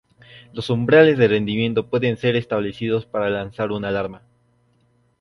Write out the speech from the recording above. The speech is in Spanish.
Los umbrales de rendimiento pueden ser establecidos para lanzar una alarma.